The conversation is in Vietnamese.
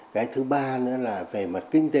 cái thứ ba nữa là về mặt kinh tế